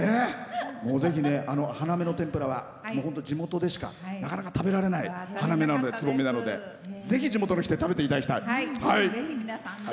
ぜひ、花芽の天ぷらは地元でしかなかなか食べられない花芽の天ぷらなのでぜひ地元の人に食べてもらいたい。